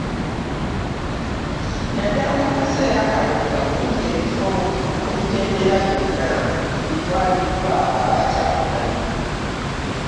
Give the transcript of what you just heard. Naddala mu kaseera kano nga kumpi ebifo ku mitendera gyonna bitwaliddwa aba Kyagulanyi.